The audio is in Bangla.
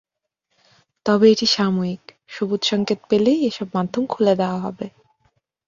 তবে এটি সাময়িক, সবুজ সংকেত পেলেই এসব মাধ্যম খুলে দেওয়া হবে।